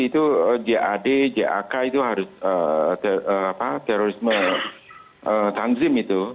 itu jad jak itu harus terorisme tanzim itu